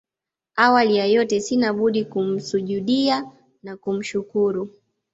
Awali ya yote sina budi kumsujudiya na kumshukuru